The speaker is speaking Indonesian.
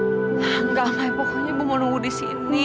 enggak mai pokoknya bu mau nunggu disini